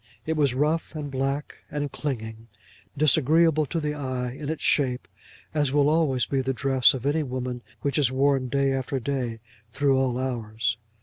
It was rough, and black, and clinging, disagreeable to the eye in its shape, as will always be the dress of any woman which is worn day after day through all hours.